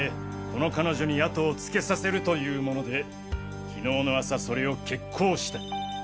この彼女に後をつけさせるというもので昨日の朝それを決行した。